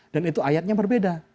dan itu ayatnya berbeda